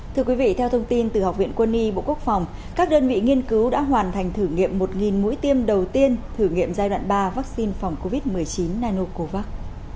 thưa quý vị theo thông tin từ học viện quân y bộ quốc phòng các đơn vị nghiên cứu đã hoàn thành thử nghiệm một mũi tiêm đầu tiên thử nghiệm giai đoạn ba vaccine phòng covid một mươi chín nanocovax